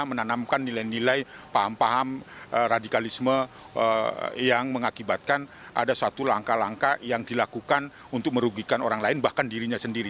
menanamkan nilai nilai paham paham radikalisme yang mengakibatkan ada suatu langkah langkah yang dilakukan untuk merugikan orang lain bahkan dirinya sendiri